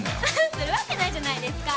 するわけないじゃないですか！